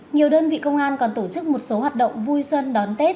nhiều đơn vị công an còn tổ chức một số hoạt động vui xuân đón tết